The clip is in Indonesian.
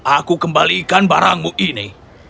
aku kembalikan barangmu ini